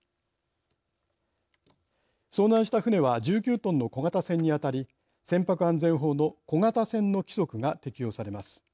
遭難した船は１９トンの小型船にあたり船舶安全法の小型船の規則が適用されます。